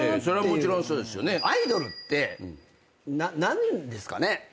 アイドルって何ですかね？